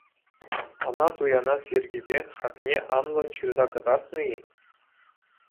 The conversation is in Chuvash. Ӑна туянас йӗркепе хакне анлӑн ҫырса кӑтартнӑ-и?